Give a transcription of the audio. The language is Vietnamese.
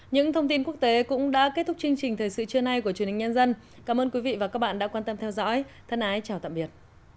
những thông tin quốc tế cũng đã kết thúc chương trình thời sự trưa nay của truyền hình nhân dân cảm ơn quý vị và các bạn đã quan tâm theo dõi thân ái chào tạm biệt